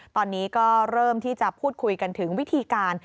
ตอนนี้ก็เริ่มที่จะพูดคุยกันถึงวิธีการ